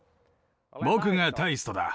僕がタイストだ。